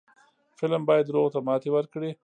فلم باید دروغو ته ماتې ورکړي